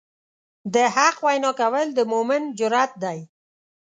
د حق وینا کول د مؤمن جرئت دی.